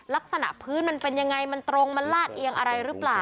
ลักษณะพื้นมันเป็นยังไงมันตรงมันลาดเอียงอะไรหรือเปล่า